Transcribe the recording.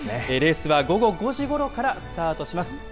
レースは午後５時ごろからスタートします。